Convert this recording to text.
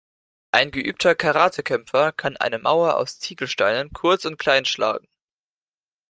Ein geübter Karatekämpfer kann eine Mauer aus Ziegelsteinen kurz und klein schlagen.